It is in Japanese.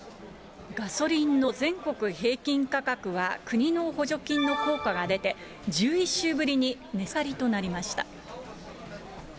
ガソリンの全国平均価格は国の補助金の効果が出て、１１週ぶりに値下がりとなりました。